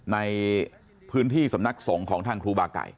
ในพื้นที่สำนักสงฆ์ของทางครูบาไก่